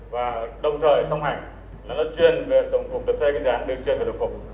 và đồng thời xong hành là nó chuyên về tổng phục được xây cái đoàn đường chuyên về tổng phục